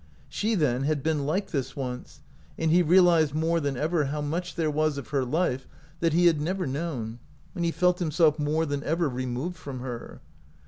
She, then, had been like this once ; and he realized more than ever how much there was of her life that he had never known, and he felt himself more than ever removed from her.